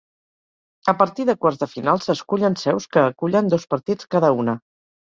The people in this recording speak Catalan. A partir de quarts de final s'escullen seus que acullen dos partits cada una.